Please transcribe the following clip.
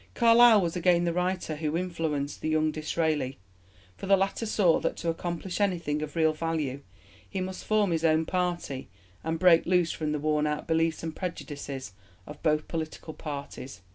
Carlyle was again the writer who influenced the young Disraeli, for the latter saw that to accomplish anything of real value he must form his own party and break loose from the worn out beliefs and prejudices of both political parties.